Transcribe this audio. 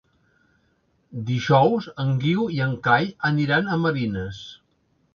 Dijous en Guiu i en Cai aniran a Marines.